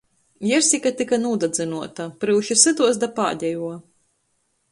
Jersika tyka nūdadzynuota, pryuši sytuos da pādejuo.